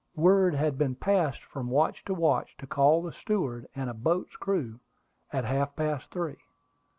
Word had been passed from watch to watch to call the steward and a boat's crew at half past three.